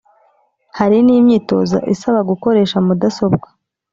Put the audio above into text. Hari n’imyitozo isaba gukoresha mudasobwa